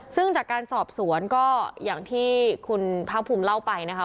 ซึ่งจากการสอบสวนก็อย่างที่คุณภาคภูมิเล่าไปนะคะ